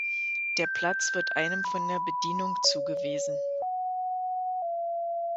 Der Platz wird einem von der Bedienung zugewiesen.